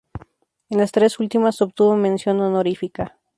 En las tres últimas obtuvo mención honorífica.